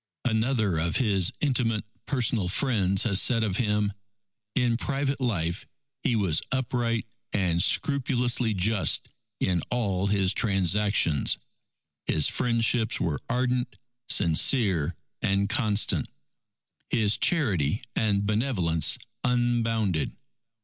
Another of his intimate personal friends has said of him, "In private life he was upright and scrupulously just in all his transactions. His friendships were ardent, sincere, and constant, his charity and benevolence unbounded.